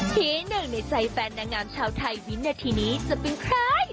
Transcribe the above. ที่หนึ่งในใจแฟนนางงามชาวไทยวินาทีนี้จะเป็นใคร